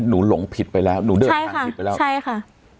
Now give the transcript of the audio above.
หลงผิดไปแล้วหนูเดินทางผิดไปแล้วใช่ค่ะ